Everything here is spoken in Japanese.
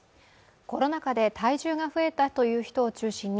コロナ禍で体重が増えたという人を中心に